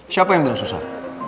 siapa yang bilang susah